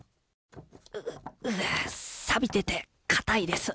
ううさびてて固いです。